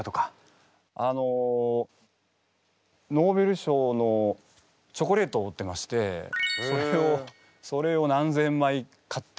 あのノーベル賞のチョコレートを売ってましてそれを何千枚買ってみんなに。